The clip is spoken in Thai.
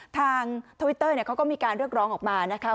ทางทวิตเตอร์เนี่ยเขาก็มีการเรียกรองออกมานะคะ